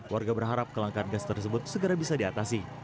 warga berharap kelangkaan gas tersebut segera bisa diatasi